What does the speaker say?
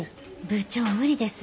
部長無理です。